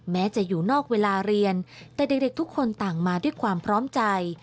แม้จะอยู่นอกเวลาเรียนแต่เด็กทุกคนต่างมาด้วยความพร้อมใจ